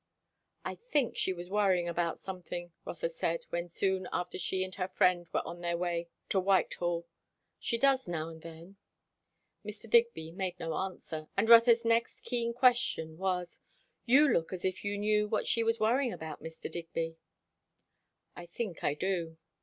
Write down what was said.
"I think she was worrying about something," Rotha said, when soon after she and her friend were on their way to Whitehall. "She does, now and then." Mr. Digby made no answer; and Rotha's next keen question was, "You look as if you knew what she was worrying about, Mr. Digby?" "I think I do."